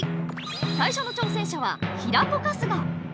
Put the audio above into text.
［最初の挑戦者は平子春日］